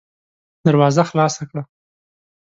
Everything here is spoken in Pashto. دروازه خلاصه کړه!